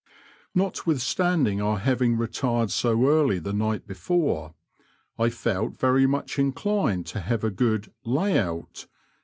Notwithstanding our having retired so early the night before, I felt very much inclined to have a good *' lay out."